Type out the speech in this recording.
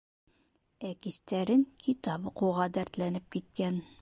Ә кистәрен китап уҡыуға дәртләнеп киткән.